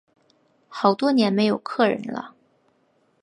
好多年没有客人了